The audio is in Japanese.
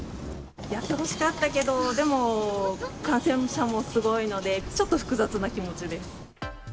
やってほしかったけど、でも感染者もすごいので、ちょっと複雑な気持ちです。